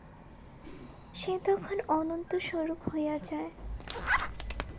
সে তখন অনন্ত-স্বরূপ হইয়া যায়।